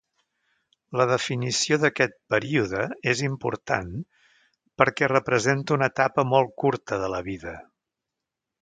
La definició d'aquest període és important perquè representa una etapa molt curta de la vida.